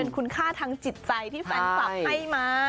คุณค่าทางจิตใจที่แฟนคลับให้มา